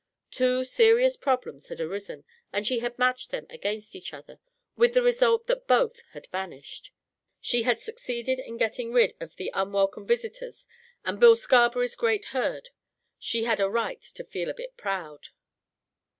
Two serious problems had arisen and she had matched them against each other with the result that both had vanished. She had succeeded in getting rid of the unwelcome visitors and Bill Scarberry's great herd. She had a right to feel a bit proud.